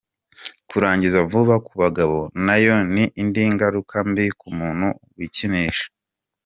Kurangiza vuba ku bagabo nayo ni indi ngaruka mbi ku muntu wikinisha.